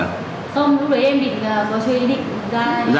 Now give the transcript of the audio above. không lúc đấy em bị gói chơi ý định ra